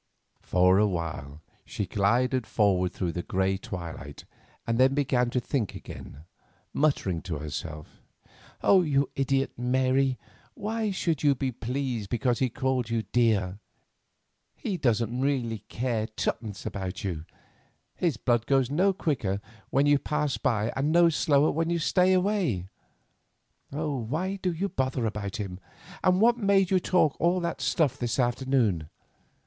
For a while she glided forward through the grey twilight, and then began to think again, muttering to herself: "You idiot, Mary, why should you be pleased because he called you 'dear'? He doesn't really care two pence about you; his blood goes no quicker when you pass by and no slower when you stay away. Why do you bother about him? and what made you talk all that stuff this afternoon?